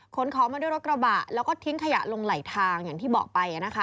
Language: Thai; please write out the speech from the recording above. ของมาด้วยรถกระบะแล้วก็ทิ้งขยะลงไหลทางอย่างที่บอกไป